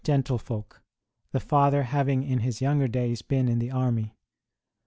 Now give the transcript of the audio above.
ROSE 35 gentlefolk, the father having in his younger days been in the army.